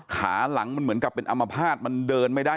ขาหลังมันเหมือนกับเป็นอัมพาตมันเดินไม่ได้